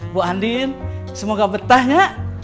bu andin semoga betah ya